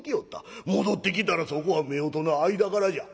戻ってきたらそこは夫婦の間柄じゃ一緒に寝る。